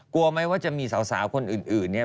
กลัวไหมว่าจะมีสาวคนอื่นเนี่ย